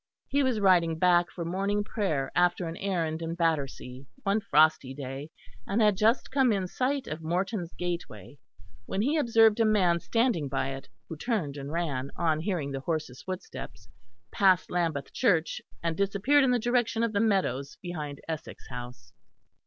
He was riding back for morning prayer after an errand in Battersea, one frosty day, and had just come in sight of Morton's Gateway, when he observed a man standing by it, who turned and ran, on hearing the horse's footsteps, past Lambeth Church and disappeared in the direction of the meadows behind Essex House.